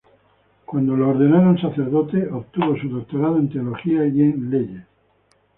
Cuando fue ordenado sacerdote, obtuvo su doctorado en teología y en leyes.